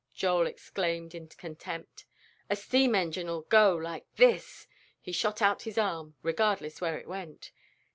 Joel exclaimed in contempt; "a steam engine'll go, like this!" He shot out his arm, regardless where it went.